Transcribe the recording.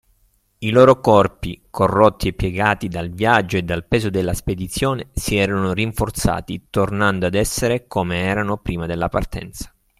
I loro corpi, corrotti e piegati dal viaggio e dal peso della spedizione, si erano rinforzati, tornando ad essere come erano prima della partenza.